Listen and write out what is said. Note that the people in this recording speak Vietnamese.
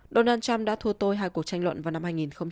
donald trump đã thua tôi hai cuộc tranh luận vào năm hai nghìn một mươi